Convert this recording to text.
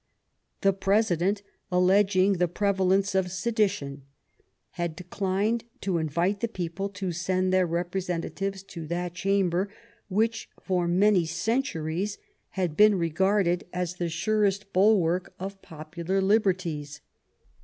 The President, alleging the prevalence of sedition, had declined to invite the people to send their representatives to that chamber which had for many centuries been regarded as the surest bulwark of popular liberties.